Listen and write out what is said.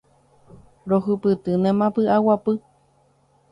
Rohupytýnema pyʼaguapy.